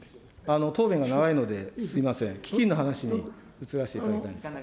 答弁が長いのですみません、基金の話に移らせていただきたいんですが。